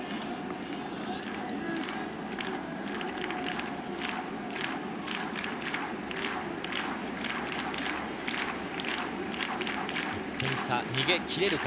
１点差、逃げ切れるか？